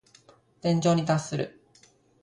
天井に達する。